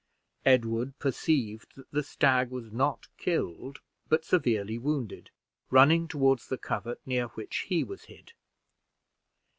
Edward perceived that the stag was not killed, but severely wounded, running toward the covert near which he was hid.